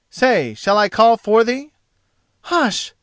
Say, shall I call for thee?" "Hush!